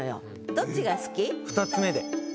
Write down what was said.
どっちが好き？